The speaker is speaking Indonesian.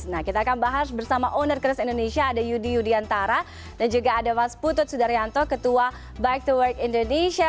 nah kita akan bahas bersama owner crass indonesia ada yudi yudiantara dan juga ada mas putut sudaryanto ketua bike to work indonesia